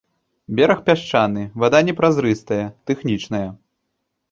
Бераг пясчаны, вада не празрыстая, тэхнічная.